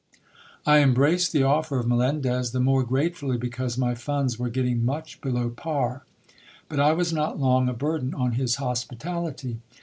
I embraced the offer of Melendez the more gratefully because my funds were getting much below par ; but I was not long a burden on his hospitality.